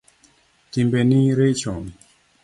Timbeni richo